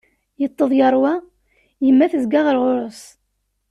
Yeṭṭeḍ yerwa, yemma tezga ɣer ɣur-s.